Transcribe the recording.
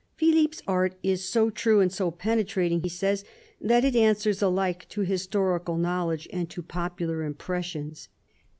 Philippe's art is so true and so penetrating, he says, that it answers alike to historical knowledge and to popular impressions.